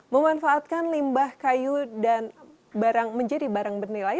memanfaatkan limbah kayu dan barang menjadi barang bernilai